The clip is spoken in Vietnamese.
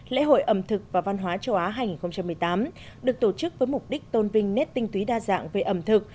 lễ hội ẩm thực và văn hóa châu á hành hai nghìn một mươi tám được tổ chức với mục đích tôn vinh nét tinh túy đa dạng về ẩm thực